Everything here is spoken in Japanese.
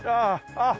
あっ！